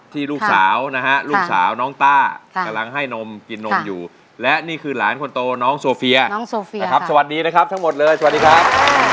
ที่ลูกสาวนะฮะลูกสาวน้องต้ากำลังให้นมกินนมอยู่และนี่คือหลานคนโตน้องโซเฟียน้องโซเฟียนะครับสวัสดีนะครับทั้งหมดเลยสวัสดีครับ